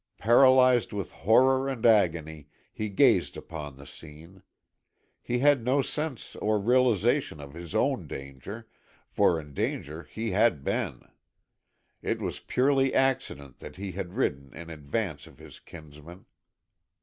Paralyzed with horror and agony, he gazed upon the scene. He had no sense or realization of his own danger, for in danger he had been. It was purely accident that he had ridden in advance of his kinsmen.